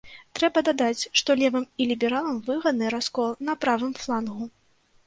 Трэба дадаць, што левым і лібералам выгодны раскол на правым флангу.